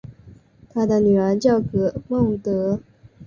他的女儿叫格萝德。